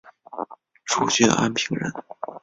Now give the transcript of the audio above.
涿郡安平人。